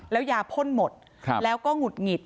แล้วยาพ่นหมดแล้วก็หงุดหงิด